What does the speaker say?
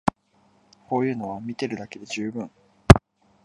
こういうのは見てるだけで充分